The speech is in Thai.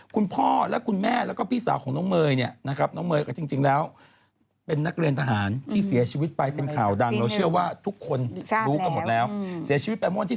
เข้าเองนะบอกบอกแม่มาคราวนี้